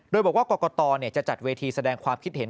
โดยบอกว่ากรกตจะจัดเวทีแสดงความคิดเห็น